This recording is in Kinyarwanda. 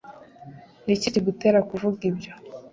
ni iki kigutera kuvuga ibyo